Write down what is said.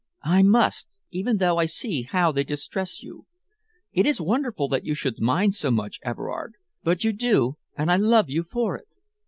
"I must, even though I see how they distress you. It is wonderful that you should mind so much, Everard, but you do, and I love you for it."